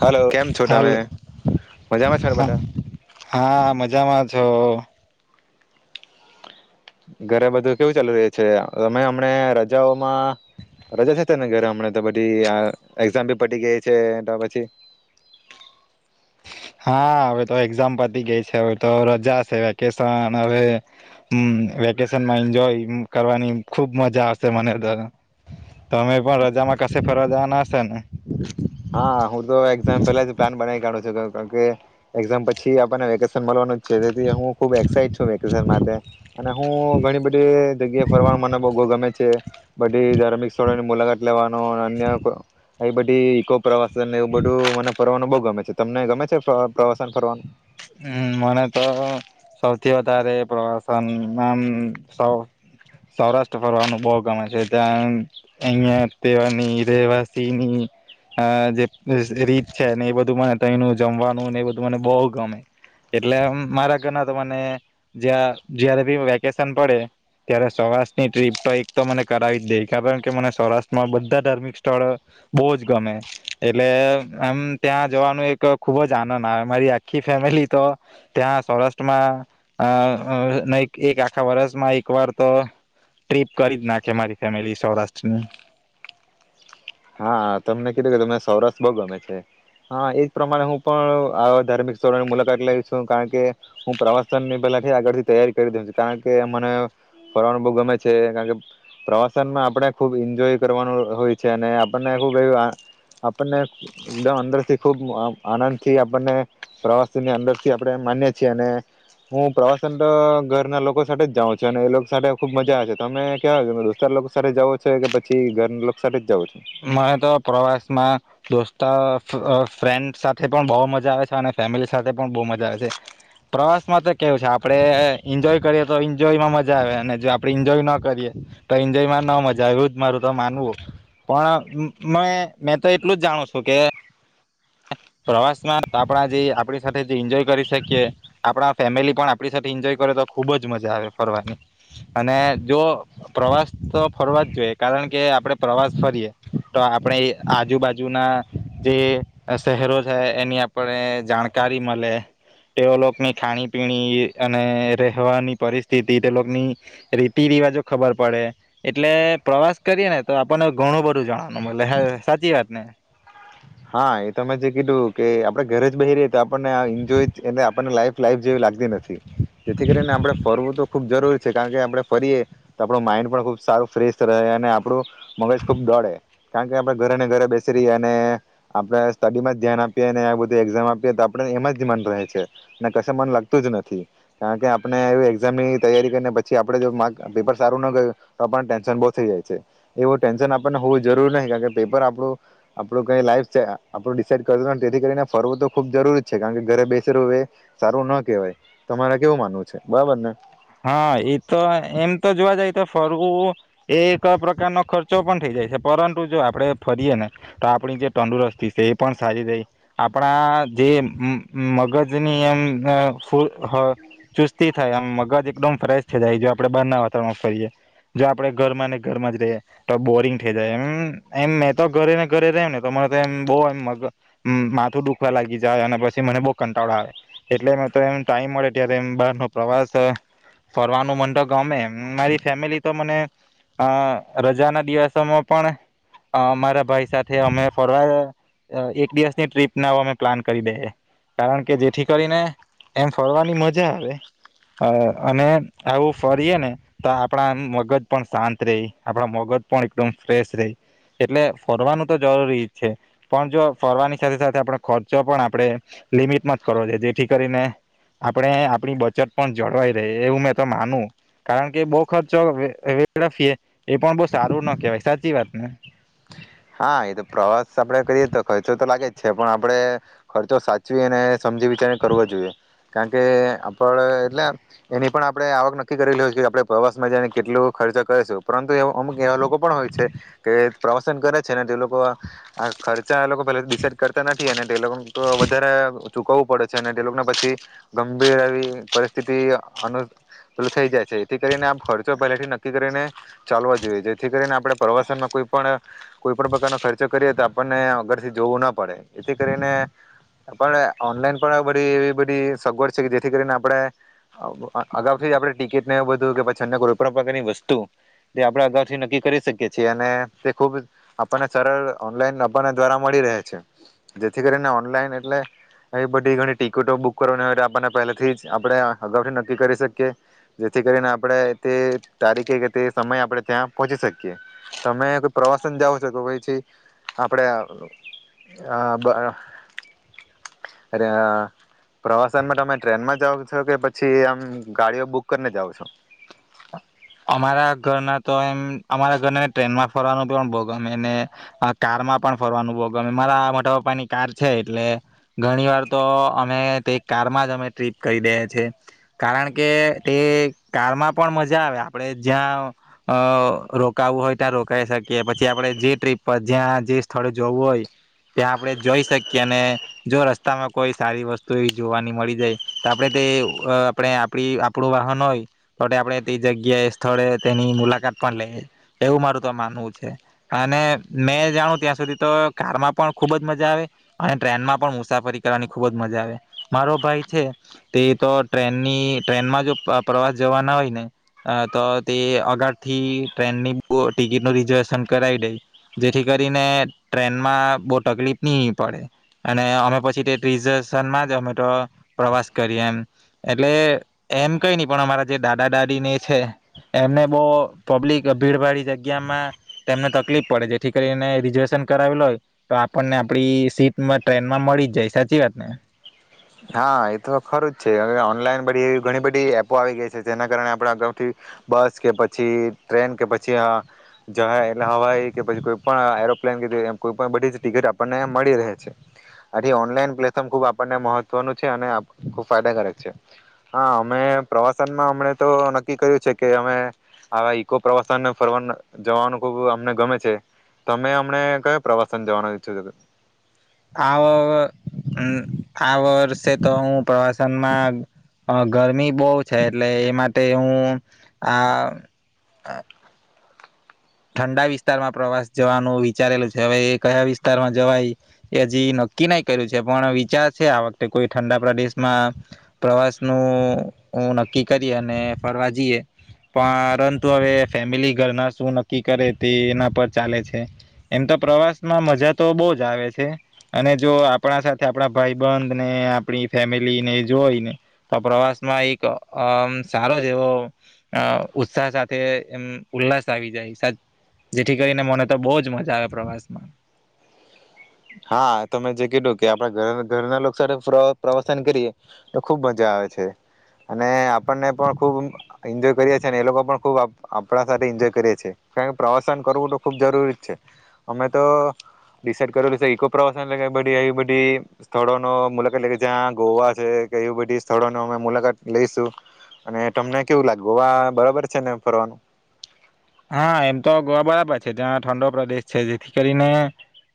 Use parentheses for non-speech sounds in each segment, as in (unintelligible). Hello કેમ છો તમે હલો મજામાં છો હ બધા હા મજામાં તો ઘરે બધું કેવું ચાલુ રહે છે અમે હમને રજાઓમાં રજા છેતા ને ઘરે હમ તો બી એક્ઝામ ભી પડી ગઈ છે પછી હા હવે તો એક્ઝામ પતી ગઈ છે હવે તો રજા છે વેકેશન હવે વેકેશનમાં એન્જોય કરવાની ખુબ મજા આવશે મને તોમે પણ રજામાં કશે ફરવા જવાના હશે ને હા હું તો એક્ઝામ પેલા જ પ્લાન બના ક કે એકઝામ પછી આપને વેકેશન મળવાનું જેથી હું ખુબ એક્સાાઈટ છું વકેશન માટે અને હું ઘણી બધી જગ્યા ફરવાનું મને બહ ગમે બધી ધાર્મિક સ્થળોની મુલાકાત લેવાનું અન્ય કો અહીં બધી ઇકો પ્રવાસ એવું બધું મને ફરવાનું બ ગમે છે તમને ગમે છે પ્રવાસન ફરવાનું હમ મને તો સૌથી વધારે પ્રવાસનમાંમ શો સૌરાષ્ટ્ર ફરવાનું બહુ ગમે છે. ત્યાં એમ અહિયાં તેવાની રહેવાસીની અ જે રીત છે ને એ બધું મને તઈનું જમવાનું ને એ બધું મને બહુ ગમે. એટલે મારા ઘરના તો મને જ્યાં જ્યારે બી વેકેશન પડે ત્યારે સૌરાષ્ટ્રની ટ્રીપ તો એક તો મને કરાવી જ દે. કારણ કે મને સૌરાષ્ટ્રમાં બધા ધાર્મિક સ્થળો બહુ જ ગમે એટલે આમ ત્યાં જવાનું એક ખુબ જ આનંદ આવે મારી આખી ફેમિલી તો ત્યાં સૌરાષ્ટ્રમાં અ ન એક આખા વર્ષમાં એક વાર તો ટ્રીપ કરી જ નાખે મારી ફેમિલી સૌરાષ્ટ્રની હા તમને કીધું કે તમને સૌરાષ્ટ્ર બહુ ગમે છે. હા એજ પ્રમાણે હું પણ આવા ધાર્મિક સ્થળોની મુલાકાત લઈ છું. કારણ કે હું પ્રવાસનની પહેલાથી આગળથી તૈયારી કરી દઉ છું કારણ કે મને ફરવાનું બહુ ગમે છે. કારણ કે પ્રવાસનમાં આપણે ખુબ ઈન્જોય કરવાનું હોય છે. અને આપણને ખૂબ એવ આપણને એકદમ અંદરથી ખૂબ આનંદથી આપણને પ્રવાસનની અંદરથી આપણે માનીએ છીએ. અને હું પ્રવાસન તો ઘરના લોકો સાથે જ જાઉં છું. અને એ લોકો સાથે ખૂબ મજા આવે છે. તમે કેવા દોસ્તાર લોકો સાથે જાઓ છો કે પછી ઘરના લોકો સાથે જ જાઓ છો. મને તો પ્રવાસમાં દોસ્તો અ ફ્રેન્ડ સાથે પણ બહુ મજા આવે છે. અને ફેમિલી સાથે પણ બહુ મજા આવે છે. પ્રવાસમાં તો કેવું છે આપડે ઈન્જોય કરીએ તો ઈન્જોયમાં મજા આવે અને જો આપડે ઈન્જોય ન કરીએ તો ઈન્જોયમાં ન મજા એવુ જ મારું તો માનવું. પણ મે મેં તો એટલું જ જાણું સુ કે પ્રવાસમાં આપણા જે આપણી સાથે જે એન્જોય કરી શકીએ. આપણા ફેમિલી પણ આપણી સાથે એન્જોય કરે તો ખુબ જ મજા આવે ફરવાની અને જો પ્રવાસ તો ફરવા જ જોઈએ. કારણ કે આપણે પ્રવાસ ફરીએ તો આપણે આજુબાજુના જે શહેરો છે એની આપને જાણકારી મલે. તેઓ લોકની ખાણી પીણી અને રહેવાની પરિસ્થિતિ તે લોકની રીતિ રિવાજો ખબર પડે એટલે પ્રવાસ કરીએ ને તો આપણને ઘણું બધું જાણવાનું મલે. હહ સાચી વાત ને? હા એ તમે જે કીધું કે આપણે ઘરે જ બેહી રહીએ તો આપણને આ એન્જોય એટલે આપણને લાઈફ લાઈફ જેવી લાગતી નથી. થી જેથી કરીને આપણે ફરવું તો ખૂબ જરૂરી છે. કારણ કે આપણે ફરીએ તો આપણું માઈન્ડ પણ ખૂબ સારું ફ્રેશ રહે અને આપણું મગજ ખૂબ દોડે કારણ કે આપણે ઘરે ને ઘરે બેસી રહીએ અને આપણેે સ્ટડીમાં જ ધ્યાન આપીએ ને આ બધું એક્ઝામ આપીએ તો આપણે એમાં જ મન રહે છે. અને કશે મન લાગતું જ નથી. કારણ કે આપને એ એક્ઝામની તૈયારી કરીને પછી આપણે જો માર્ક પેપર સારું ન ગયું તો આપણને ટેન્શન બહુ થઈ જાય છે. એવું ટેન્શન આપણને હોવું જરૂરી નહીં કારણ કે પેપર આપણું આપણું કઈ લાઈફ છે આપણું ડિસાઇડ કરેલું નથી તેથી કરીને ફરવુ તો ખુબ જરૂરી જ છે. કારણ કે ઘરે બેસી રેવું એ સારું ના કહેવાય. તમારે કેવું માનવું છે બરાબર ને? હા એ તો એમ તો જોવા જાય તો ફરવું એ એક પ્રકારનો ખર્ચો પણ થઈ જાય છે. પરંતુ જો આપણે ફરીએ ને તો આપણી જે તંદુરસ્તી છે એ પણ સારી રે. આપણા જે મગજની એમ અ ચુસ્તી થાય એમ મગજ એકદમ ફ્રેશ થઈ જાય. જો આપડે બનાવો તમ ફરીએ. જો આપણે ઘરમાં ને ઘરમાં જ રહીએ તો બોરિંગ થઈ જાય એમ એમ મેં તો ઘરે ને ઘરે રે ને તો મને તો એમ બહુ માથું દુખવા લાગી જાય અને પછી મને બહુ કંટાળો આવે એટલે મેં તો એમ ટાઈમ મળે ત્યારે બારનો પ્રવાસ ફરવાનું મન તો ગમે મારી ફેમિલી તો મને અ રજાના દિવસોમાં પણ અ મારા ભાઈ સાથે અમે ફરવા એક દિવસની ટ્રીપ ના અમે પ્લાન કરી દઈએ. કારણ કે જેથી કરીને એમ ફરવાની મજા આવે. અ અને આવું ફરીએ ને તો આપણા મગજ પણ શાંત રહી. આપણા મગજ પણ એકદમ ફ્રેશ રહી એટલે ફરવાનું તો જરૂરી છે. પણ જો ફરવાની સાથે સાથે આપણો ખર્ચો પણ આપણે લિમિટમાં જ કરવો જોઇએ. જેથી કરીને આપણે આપણી બચત પણ જળવાય. રે એવું મેં તો માનું કારણ કે બહુ ખર્ચો વેળફીયે એ પણ બહુ સારું ના કહેવાય સાચી વાત ને? હા એ તો પ્રવાસ આપણે કરીએ તો ખર્ચો તો લાગે જ છે. પણ આપણે ખર્ચો સાચવી અને સમજી વિચારીને કરવો જોઈએ. કારણ કે આપડે એટલે એની પણ આપણે આવક નક્કી કરી લેવી જોઈએ. આપણે પ્રવાસ માં જઈને કેટલું ખર્ચો કરેશું પરંતુ એ અમુક એવા લોકો પણ હોય છે કે પ્રવાસન કરે છે ને તે લોકો આ આ ખર્ચ ચા એ લોકો પેલા ડિસાઇડ કરતા નથી. અને તે લોકો એમ તો વધારે ચૂકવવું પડે છે. અને તે લોકને પછી ગંભીર એવી પરિસ્થિતિ અનપ પેલું થઈ જાય છે. એથી કરીને આપ ખર્ચો પહેલાથી નક્કી કરીને ચાલવા જોઈએ. જેથી કરીને આપણે પ્રવાસનમાં કોઈ પણ કોઈ પણ પ્રકારના ખર્ચો કરીએ તો આપણને અગરથી જોવું ના પડે. એથી કરીને આપણે ઓનલાઈન પણ બધી એવી બધી સગવડ છે કે જેથી કરીને આપણે અગાઉથી આપણે ટિકિટને એવું બધું કે પછીને કોઈ પણ પ્રકારની વસ્તુ જે આપણે અગાઉથી નક્કી કરી શકીએ છીએ. અને તે ખૂબ આપણને સરળ ઓનલાઇન આપણને દ્વારા મળી રહે છે. જેથી કરીને ઓનલાઈન એટલે આવી બધી ઘણી ટિકિટો બુક કરવાની હોય આપણને પહેલાથી જ આપણે અગાઉથી નક્કી કરી શકીએ. જેથી કરીને આપણે તે તારીખે કે તે સમય આપણે ત્યાં પહોંચી શકીએ. તમે કોઈ પ્રવાસ જાઓ છો કે અહીંથી આપણે આ આબ અરે આ પ્રવાસનમાં તમે ટ્રેનમાં જાઓ છો કે પછી આમ ગાડીઓ બુક કરીને જાઓ છો? અમારા ઘરના તો એમ અમારા ઘરને ટ્રેનમાં ફરવાનું પણ આમ બહુ ગમે ને. કારમાં પણ ફરવાનું બહુ ગમે. મારા મોટા પપ્પાની કાર છે એટલે ઘણી વાર તો અમે તે કારમાં જ અમે ટ્રીપ કરી દઈએ છીએ. કારણ કે તે કારમાં પણ મજા આવે. આપણે જ્યાં અ રોકાવું હોય ત્યાં રોકાઈ શકીએ. પછી આપણે જે ટ્રીપ પર જ્યાં જે સ્થળે જવું હોય ત્યાં આપણે જોઈ શકીએ. અને જો રસ્તામાં કોઈ સારી વસ્તુ એવી જોવાની મળી જાય તો આપણે તે આપણે આપણી આપણું વાહન હોય તો આપણે તે જગ્યાએ સ્થળે તેની મુલાકાત પણ લે એવું મારું તો માનવું છે. અને મેં જાણું ત્યાં સુધી તો કારમાં પણ ખુબ જ મજા આવે. અને ટ્રેનમાં પણ મુસાફરી કરવાની ખુબ જ મજા આવે. મારો ભાઈ છે તે તો ટ્રેનની ટ્રેનમાં જો પ્રવાસ જવાના હોય ને અ તો તે અગળથી ટ્રેનની બ ટિકિટનું રિઝર્વેશન કરાવી દઈ. જેથી કરીને ટ્રેનમાં બહુ તકલીફ નહી પડે. અને અમે પછી તે રિઝર્વેશનમાં જ અમે તો પ્રવાસ કરીએ એમ. એટલે એમ કઈ નહી પણ અમારા જે દાદા દાદીને એ છે એમને બહુ પબ્લિક ભીડભાડી જગ્યામાં તેમને તકલીફ પડે. જેથી કરીને રિઝર્વેશન કરાવેલ હોય તો આપણને આપણી સીટમાં ટ્રેનમાં મળી જ જાય સાચી વાત ને? હા એ તો ખરું જ છે. હવે ઓનલાઈન બધી એવી ઘણી બધી એપો આવી ગઈ છે. જેના કારણે આપણે અગાઉથી બસ કે પછી ટ્રેન કે પછી આ જ એટલે હવાઈ કે પછી કોઈ પણ એરોપ્લેન કે કોઈ પણ બધી ટિકિટ આપણને મળી રહે છે. આથી ઓનલાઈન પ્લેટફોર્મ ખૂબ આપણને મહ ત્વનું છે અને ખૂબ ફાયદાકારક છે. હા અમે પ્રવાસનમાં અમને તો નક્કી કર્યું છે કે અમે આવા ઈકો પ્રવાસન ફરવાનું જવાનું ખૂબ અમને ગમે છે. તો અમે અમને કયો પ્રવાસન જવાનું ઇચ્છો છો? આવ અમ આ વર્ષે તો હું પ્રવાસનમાં અ ગરમી બહુ છે એટલે એ માટે હું આ ઠંડા વિસ્તારમાં પ્રવાસ જવાનું વિચારેલું છે. હવે એ કયા વિસ્તારમાં જવાય એ હજી નક્કી નહીં કર્યું છે. પણ વિચાર છે આ વખતે કોઈ ઠંડા પ્રદેશમાં પ્રવાસનું હું નક્કી કરી અને ફરવા જઈએ. પરંતુ હવે ફેમિલી ઘર ના શું નક નકી કરે તે એના પર ચાલે છે. એમ તો પ્રવાસમાં મજા તો બહુ જ આવે છે. અને જો આપણા સાથે આપણા ભાઈબંધ ને આપણી ફેમિલીને જોઈને તો પ્રવાસમાં એક આમ સારો જ એવો અ ઉત્સાહ સાથે એમ ઉલ્લાસ આવી જાય છે. જેથી કરીને મને તો બહુ જ મજા આવે પ્રવાસમાં. હા તમે જે કીધું કે આપણા ઘરના લોકો સાથે પ્રવાસન કરીએ તો ખુબ મજા આવે છે. અને આપણને પણ ખુબ એન્જોય કરીએ છીએ ને એ લોકો પણ ખૂબ આપણા સાથે એન્જોય કરીએ છીએ. કારણ કે પ્રવાસન કરવું તો ખુબ જરૂરી જ છે. અમે તો ડિસાઇડ કરેલું છે ઈકો પ્રવાસન એટલે કે બધી આવી બધી સ્થળો નો મુલાકાત એટલે કે જ્યાં ગોવા છે કે એવી બધી સ્થળોનો અમે મુલાકાત લઈશું. અને તમને કેવું લાગે ગોવા બરાબર છે ને ફરવાનું? હા એમ તો ગોવા બરાબર છે. ત્યાં ઠંડો પ્રદેશ છે. જેથી કરીને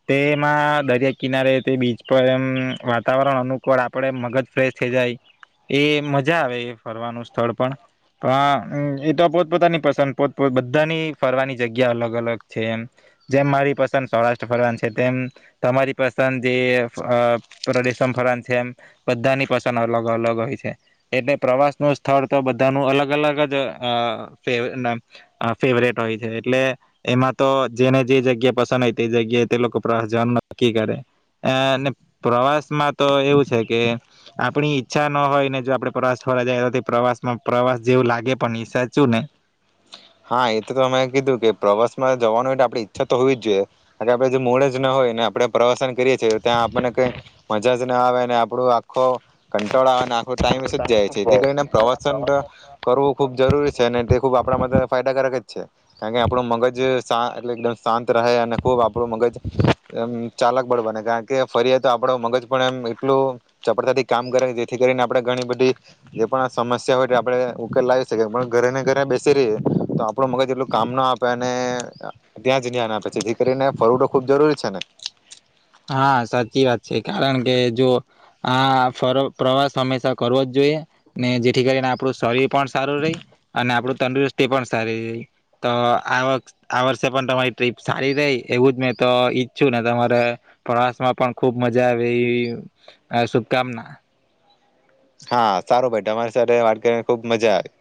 તેમાં દરિયા કિનારે તે બીચ પર એમ વાતાવરણ અનુકૂળ આપણે મગજ ફ્રેશ થઈ જાય. એ મજા આવે એ ફરવાનું સ્થળ પણ પણ એ તો પોતપોતાની પસંદ પોતપોત બધ બધાની ફરવાની જગ્યા અલગ અલગ છે, એમ જેમ મારી પસંદ સૌરાષ્ટ્ર ફરવાનું છે, તેમ તમારી પસંદ જે પ્રદેશમાં ફરવાની છે, એમ બધાની પસંદ અલગ અલગ હોય છે, એટલે પ્રવાસનું સ્થળ તો બધાનું અલગ અલગ જ આ ફેર ના આ ફેવરેટ હોય છે, એટલે એમાં તો જેને જે જગ્યા પસંદ હોય તે જગ્યાએ તે લોકો પ્રવાસ જવાનું નક્કી કરે આ ને પ્રવાસ માં તો એવું છે, કે આપણી ઈચ્છા ન હોય ને જો આપણે પ્રવાસ ફરવા જાય પ્રવાસમાં પ્રવાસ જેવું લાગે પણ નહી સાચું ને. હા એ તો તમે કીધું કે પ્રવાસ માં જવાનું આપણી ઈચ્છા તો હોવી જ જોઈએ અને આપડે જે મૂળે જ ના હોય, ને આપડે પ્રવાસન કરીએ છીએ, ત્યાં આપણને કઈ મજા જ ના આવેને આપણું આખું કંટાળો આવે ને આખો ટાઈમ (unintelligible) જાય છે, તે કરીને પ્રવાસન કરવું ખૂબ જરૂરી છે અને તે ખૂબ આપણા માટે પ્રગટ છે, કારણકે આપણું મગજ સા એટલે એકદમ શાંત રહે અને ખુબ આપણું મગજ આમ ચાલક બળ બને કારણ કે ફરીએ તો આપડ મગજ પણ એમ એટલું ચપડતાથી કામ કરે જેથી કરીને આપણે ઘણી બધી જે પણ સમસ્યા હોય આપણે ઉકેલ લાવી શકીએ પણ ઘરે ને ઘરે બેસી રહીએ તો આપણું મગજ એટલું કામ ના આપે અને ત્યાં જ એની (unintelligible) કરીને ફરવુ તો ખૂબ જરૂરી છે ને. હા સાચી વાત છે, કારણ કે જો આ ફર પ્રવાસ હંમેશા કરવો જ જોઈએ ને જેથી કરીને આપણું શરીર પણ સારું રે અને આપણું તંદુરસ્તી પણ સારી રહી તો આ આ વર્ષે પણ તમારી ટ્રીપ સારી રે એવું જ મેં તો ઈચ્છું ને તમારે પ્રવાસ માં પણ ખુબ મજા આવી આ શુભકામના. હા સારું ભાઈ તમારી સાથે વાત કરીને ખુબ મજા આવી.